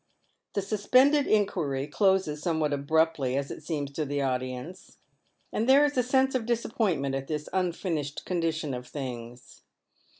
The suspended inquiry closes somewhat abruptly as it seems to the audience, and there is a sense of disappointment at this unfinished condition of things.